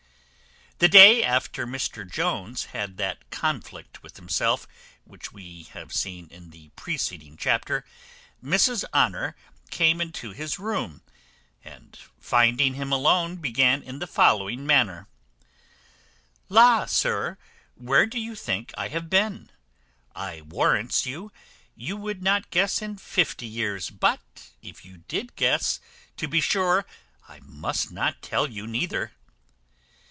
The day after Mr Jones had that conflict with himself which we have seen in the preceding chapter, Mrs Honour came into his room, and finding him alone, began in the following manner: "La, sir, where do you think I have been? I warrants you, you would not guess in fifty years; but if you did guess, to be sure I must not tell you neither."